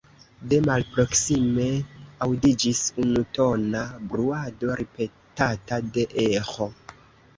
De malproksime aŭdiĝis unutona bruado, ripetata de eĥo.